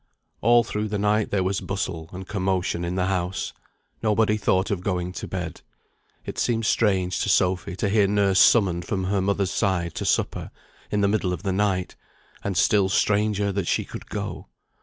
All through the night there was bustle and commotion in the house. Nobody thought of going to bed. It seemed strange to Sophy to hear nurse summoned from her mother's side to supper, in the middle of the night, and still stranger that she could go.